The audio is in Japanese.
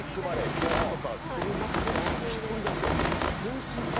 ピアノとかする中で一人だけ。